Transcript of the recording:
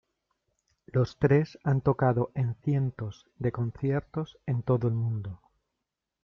Los tres han tocado en cientos de conciertos en todo el mundo.